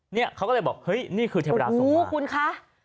เนี่ยเขาก็เลยบอกเฮ้ยนี่คือเทวดาสู้คุณคะ